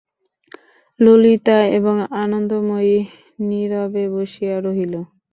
ললিতা এবং আনন্দময়ী নীরবে বসিয়া রহিল।